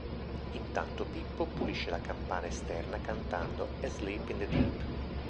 Intanto Pippo pulisce la campana esterna cantando "Asleep in the Deep".